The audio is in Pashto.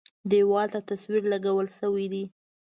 دېوال ته تصویر لګول شوی دی.